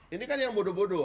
ini kan yang bodoh bodoh